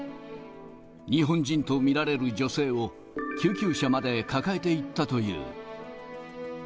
日本人と見られる女性を救急車まで抱えていったという。